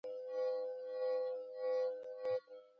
نیټه او د اړونده مرجع عنوان ولري.